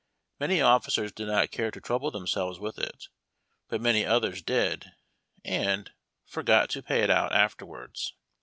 Many officers did not care to trouble themselves with it, but many others did, and — forgot to pay it out afterwards.